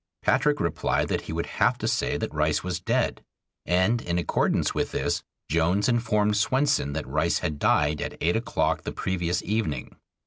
Patrick replied that he would have to say that Rice was dead. And in accordance with this Jones informed Swenson that Rice had died at eight o'clock the previous evening.